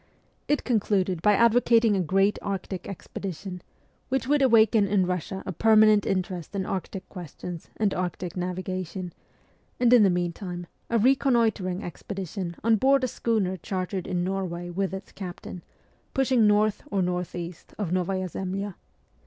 It concluded by advocating a great Arctic expedition, which would awaken in Russia a permanent interest in Arctic questions and Arctic navigation, and in the meantime a reconnoitring expedition on board a schooner chartered in Norway with its captain, pushing north or north east of Novaya Zemlya.